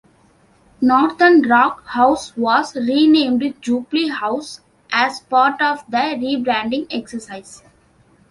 Northern Rock House was renamed Jubilee House as part of the rebranding exercise.